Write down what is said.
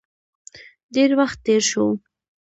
ډیر وخت تیر شو.